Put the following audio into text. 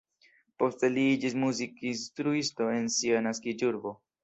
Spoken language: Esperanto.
Poste li iĝis muzikinstruisto en sia naskiĝurbo.